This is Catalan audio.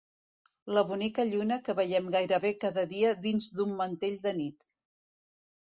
La bonica lluna que veiem gairebé cada dia dins d'un mantell de nit.